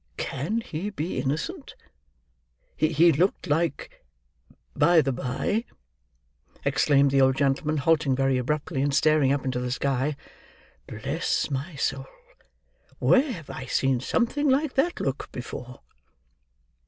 Can he be innocent? He looked like—Bye the bye," exclaimed the old gentleman, halting very abruptly, and staring up into the sky, "Bless my soul!—where have I seen something like that look before?"